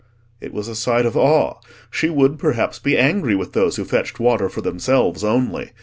It was a sight of awe: she would, perhaps, be angry with those who fetched water for themselves only.